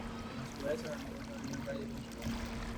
En la ciudad de San Antonio hay una calle con su nombre.